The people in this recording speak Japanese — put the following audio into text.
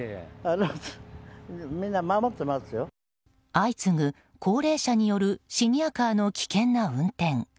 相次ぐ高齢者によるシニアカーの危険な運転。